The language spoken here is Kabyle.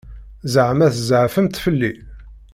Ẓeɛma tzeɛfemt fell-i?